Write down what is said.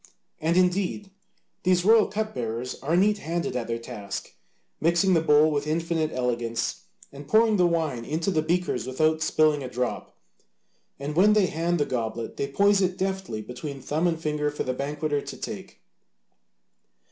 And indeed, these royal cup bearers are neat handed at their task, mixing the bowl with infinite elegance, and pouring the wine into the beakers without spilling a drop, and when they hand the goblet they poise it deftly between thumb and finger for the banqueter to take.